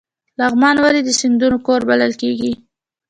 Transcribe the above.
لغمان ولې د سیندونو کور بلل کیږي؟